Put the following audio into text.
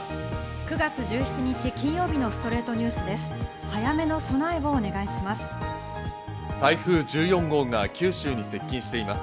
９月１７日、金曜日の『ストレイトニュース』です。